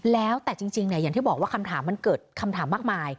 แล้วแต่จริงอย่างที่บอกว่าคำถามมันเกิดคำถามมากมาย